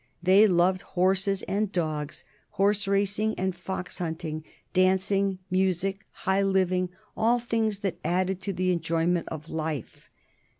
They loved horses and dogs, horse racing and fox hunting, dancing, music, high living, all things that added to the enjoyment of life.